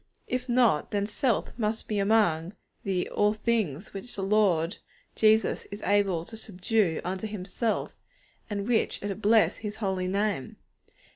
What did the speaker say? If not, then self must be among the 'all things' which the Lord Jesus Christ is able to subdue unto Himself, and which are to 'bless His Holy Name.'